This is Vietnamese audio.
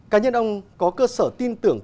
cá nhân ông có cơ sở tin tưởng